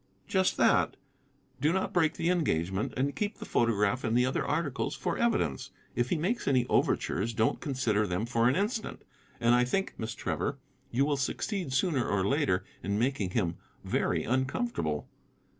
"Just that. Do not break the engagement, and keep the photograph and other articles for evidence. If he makes any overtures, don't consider them for an instant. And I think, Miss Trevor, you will succeed sooner or later in making him very uncomfortable.